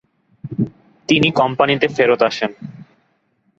তিনি কোম্পানিতে ফেরত আসেন।